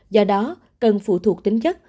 do đó cần phụ thuộc tính chất